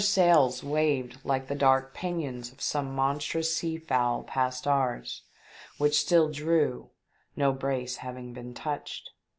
T SHIP, sails waved like the dark pinions of some monstrous sea fowl past ours, which still drew, no brace having been touched.